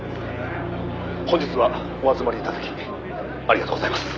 「本日はお集まり頂きありがとうございます」